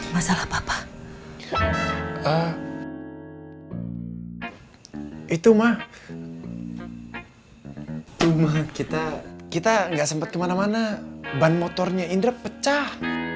masalah papa itu mah cuma kita kita nggak sempat kemana mana ban motornya indra pecah